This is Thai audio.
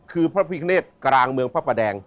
คือพระพิคเนตกลางเมืองพระประแดง